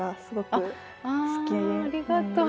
ああありがとう。